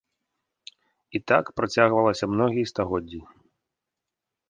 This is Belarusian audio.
І так працягвалася многія стагоддзі.